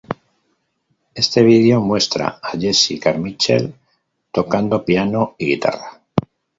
Éste video muestra a Jesse Carmichael tocando piano y guitarra.